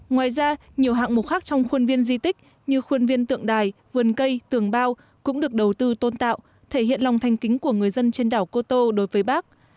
ngoài ra nhiều hạng mục khác trong khuôn viên di tích như khuôn viên tượng đài vườn cây tường bao cũng được đầu tư tôn tạo thể hiện lòng thanh kính của người dân trên đảo cô tô đối với bác